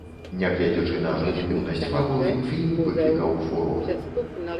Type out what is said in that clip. Нягледзячы на прымітыўнасць фабулы, фільм выклікаў фурор.